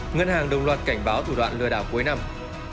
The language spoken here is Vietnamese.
ngân hàng đồng loạt cảnh báo thủ đoạn lừa đảo cuối năm